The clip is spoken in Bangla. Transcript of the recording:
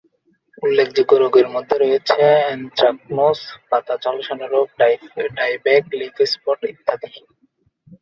উল্লেখযোগ্য রোগের মধ্যে রয়েছে অ্যানথ্রাকনোস, পাতা ঝলসানো রোগ, ডাই ব্যাক, লিফ স্পট ইত্যাদি।